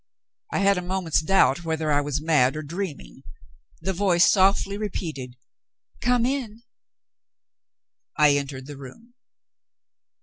I had a moment's doubt whether I was mad or dreaming. The voice softly repeated, "Come in!" I entered the room.